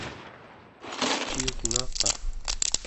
tepciyugngaaqa